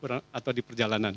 atau di perjalanan